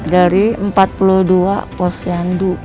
dari empat puluh dua posyandu